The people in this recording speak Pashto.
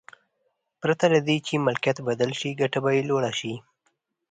پرته له دې چې ملکیت بدل شي ګټه به یې لوړه شي.